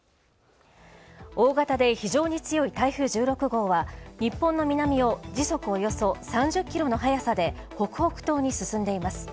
大型で非常に強い台風１６号は日本の南を時速およそ３０キロの速さで北北東に進んでいます。